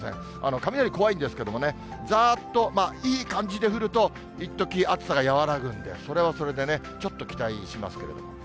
雷、怖いんですけれどもね、ざーっといい感じで降ると、いっとき、暑さが和らぐんで、それはそれでね、ちょっと期待しますけれども。